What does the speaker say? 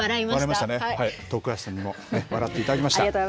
徳橋さんにも笑っていただきました。